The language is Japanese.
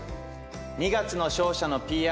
『二月の勝者』のＰＲ